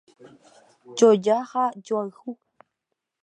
Joja ha joayhu